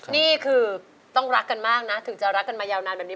นี่คือต้องรักกันมากนะถึงจะรักกันมายาวนานแบบนี้